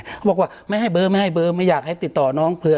เขาบอกว่าไม่ให้เบอร์ไม่ให้เบอร์ไม่อยากให้ติดต่อน้องเผื่อ